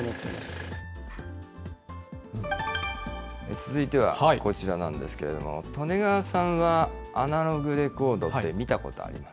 続いてはこちらなんですけれども、利根川さんはアナログレコードって見たことあります？